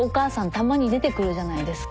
たまに出てくるじゃないですか。